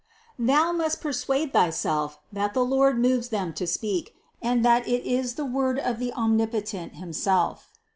Thou must persuade thyself, that the Lord moves them to speak, and that it is the word of the Omnipotent himself.